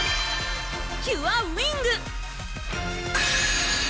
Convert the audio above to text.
キュアウィング！